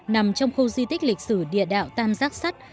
nằm trong khu di tích lịch sử địa đạo tam giác sắt